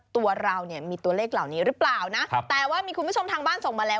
ตัวเราเนี่ยมีตัวเลขเหล่านี้หรือเปล่านะแต่ว่ามีคุณผู้ชมทางบ้านส่งมาแล้ว